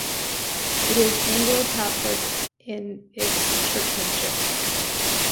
It is Anglo-Catholic in its churchmanship.